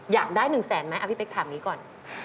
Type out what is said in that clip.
อยากได้๑แสนไหมเอาพี่เป๊กถามอย่างนี้ก่อน